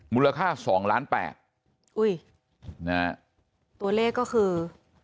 มูลค่า๒ล้าน๘ตัวเลขก็คือ